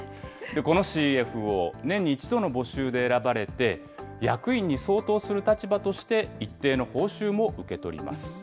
このＣＦＯ、年に一度の募集で選ばれて、役員に相当する立場として一定の報酬も受け取ります。